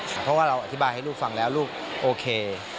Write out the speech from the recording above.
เพราะว่าเราอธิบายให้ลูกฟังแล้วลูกโอเค